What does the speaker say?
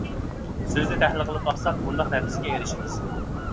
سۆزنى تەھلىل قىلىپ باقساق مۇنداق نەتىجىگە ئېرىشىمىز.